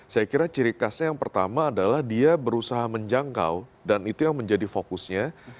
saya kira ciri khasnya yang pertama adalah dia berusaha menjangkau dan itu yang menjadi fokusnya